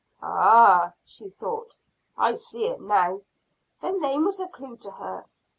"Ah," she thought, "I see it now." The name was a clue to her.